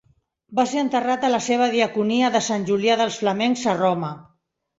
Va ser enterrat a la seva diaconia de Sant Julià dels Flamencs a Roma.